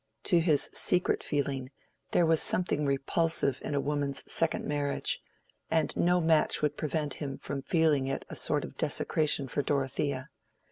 To his secret feeling there was something repulsive in a woman's second marriage, and no match would prevent him from feeling it a sort of desecration for Dorothea.